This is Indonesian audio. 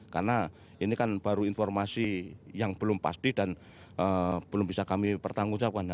karena ini kan baru informasi yang belum pasti dan belum bisa kami pertanggungjawabkan